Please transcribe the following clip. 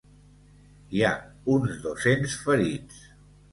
Hi ha uns dos-cents ferits.